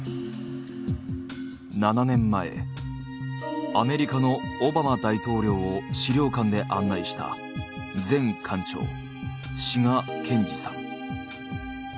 ７年前アメリカのオバマ大統領を資料館で案内した前館長志賀賢治さん。